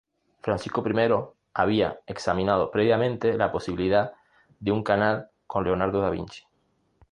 Francisco I había examinado previamente la posibilidad de un canal con Leonardo da Vinci.